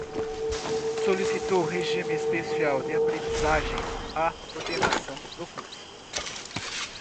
Solicitou regime especial de aprendizagem à coordenação do curso